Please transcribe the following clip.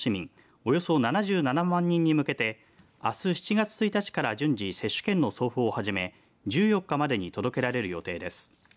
およそ７７万人に向けてあす７月１日から順次接種券の送付を始め１４日までに届けられる予定です。